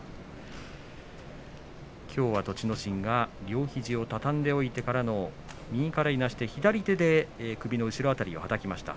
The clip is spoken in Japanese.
きょうは栃ノ心が両肘を畳んでおいてからの右からいなして左手で首の後ろ辺りをはたきました。